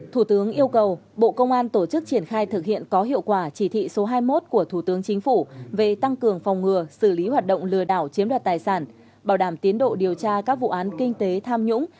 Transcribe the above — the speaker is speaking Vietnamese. thủ tướng yêu cầu bộ công an tổ chức triển khai thực hiện có hiệu quả chỉ thị số hai mươi một của thủ tướng chính phủ về tăng cường phòng ngừa xử lý hoạt động lừa đảo chiếm đoạt tài sản bảo đảm tiến độ điều tra các vụ án kinh tế tham nhũng